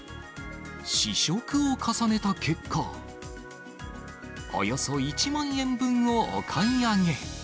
試食を重ねた結果、およそ１万円分をお買い上げ。